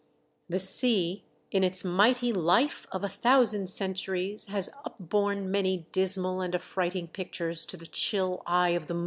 The sea, in its mighty life of a thousand centuries, has upborne many dismal and affrighting pictures to the chill eye of the MY POOR DARLING.